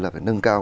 là phải nâng cao